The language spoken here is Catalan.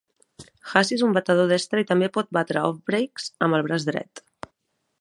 Hussey és un batedor destre i també pot batre "offbreaks" amb el braç dret.